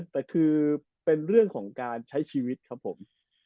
แต่คือเป็นเรื่องของการใช้ชีวิตครับผม